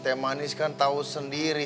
teh manis kan tahu sendiri